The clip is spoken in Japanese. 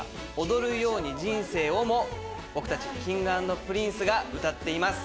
『踊るように人生を。』をも僕たちＫｉｎｇ＆Ｐｒｉｎｃｅが歌っています。